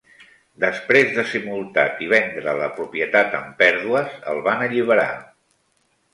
Després de ser multat i vendre la propietat amb pèrdues, el van alliberar.